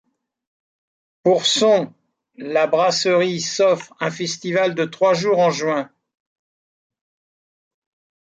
Pour son la brasserie s'offre un festival de trois jours en juin.